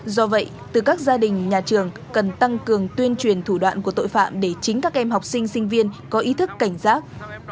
do vậy từ các gia đình nhà trường cần tăng cường tuyên truyền thủ đoạn của tội phạm để chính các em học sinh sinh viên có ý thức cảnh giác